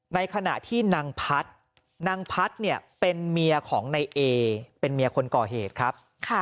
ในขณะที่นางพัฒน์นางพัฒน์เนี่ยเป็นเมียของในเอเป็นเมียคนก่อเหตุครับ